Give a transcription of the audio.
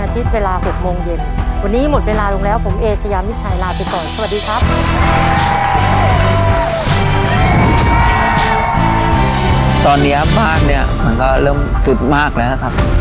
ตอนนี้บ้านเนี่ยมันก็เริ่มจุดมากแล้วครับ